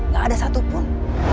gak ada satupun